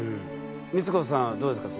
光子さんはどうですか？